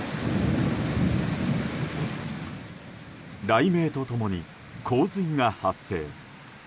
雷鳴と共に洪水が発生。